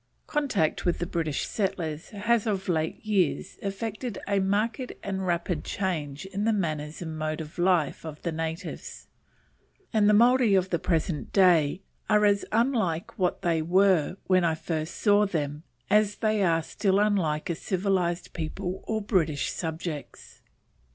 Contact with the British settlers has of late years effected a marked and rapid change in the manners and mode of life of the natives, and the Maori of the present day are as unlike what they were when I first saw them as they are still unlike a civilized people or British subjects.